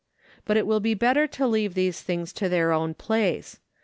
But it will be better to leave these things to their own place.